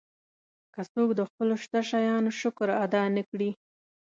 که څوک د خپلو شته شیانو شکر ادا نه کړي.